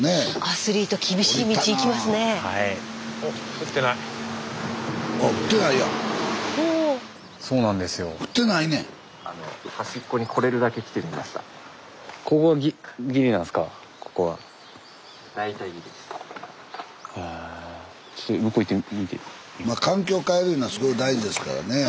スタジオまあ環境変えるいうのはすごい大事ですからねえ。